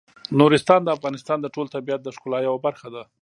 نورستان د افغانستان د ټول طبیعت د ښکلا یوه برخه ده.